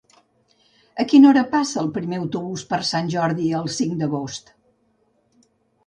A quina hora passa el primer autobús per Sant Jordi el cinc d'agost?